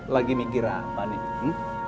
lagi mikir apa nih